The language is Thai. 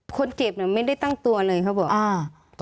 คนเจ็บน่ะไม่ได้ตั้งตัวเลยเขาบอกอ่า